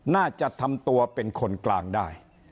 น่าจะทำตัวเป็นคนกลางได้